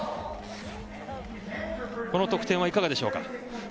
この得点はいかがでしょうか？